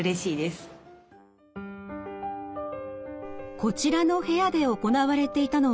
こちらの部屋で行われていたのは。